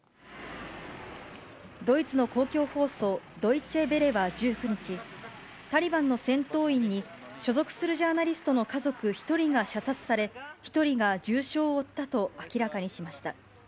ドイツの公共放送、ドイチェ・ヴェレは１９日、タリバンの戦闘員に、所属するジャーナリストの家族１人が射殺され、１人が重傷を負ったと明らかにしました。